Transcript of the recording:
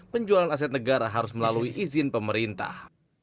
penjualan aset negara harus melalui izin pemerintah